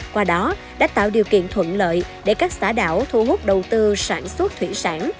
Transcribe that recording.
qua đó đã tạo điều kiện thuận lợi để các xã đảo thu hút đầu tư sản xuất thủy sản